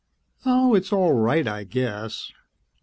"Oh ... it's all right, I guess."